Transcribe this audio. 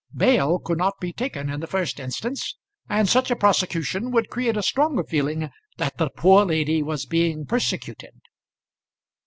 Bail could not be taken in the first instance, and such a prosecution would create a stronger feeling that the poor lady was being persecuted."